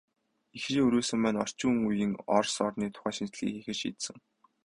Ихрийн өрөөсөн маань орчин үеийн Орос орны тухай шинжилгээ хийхээр шийдсэн.